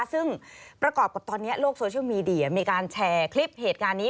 ซึ่งประกอบกับตอนนี้โลกโซเชียลมีเดียมีการแชร์คลิปเหตุการณ์นี้